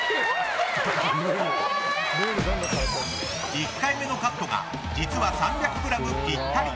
１回目のカットが実は３００ｇぴったり。